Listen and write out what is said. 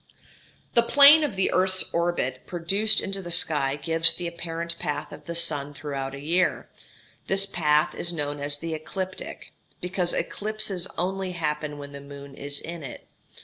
The plane of the earth's orbit produced into the sky gives the apparent path of the sun throughout a year. This path is known as the ecliptic, because eclipses only happen when the moon is in it.